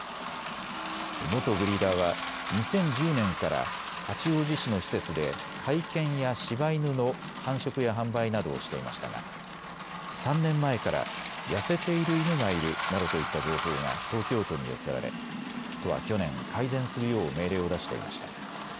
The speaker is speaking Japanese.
元ブリーダーは２０１０年から八王子市の施設で甲斐犬やしば犬の繁殖や販売などをしていましたが３年前から痩せている犬がいるなどといった情報が東京都に寄せられ都は去年、改善するよう命令を出していました。